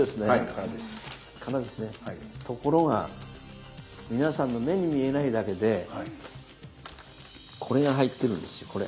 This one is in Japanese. ところが皆さんの目に見えないだけでこれが入っているんですよ。